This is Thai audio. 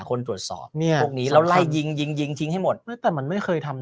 คนตรวจสอบนี้เราไล่ยิงยิงยิงทิ้งให้หมดแต่มันไม่เคยทำ